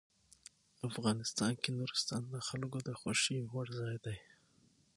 افغانستان کې نورستان د خلکو د خوښې وړ ځای دی.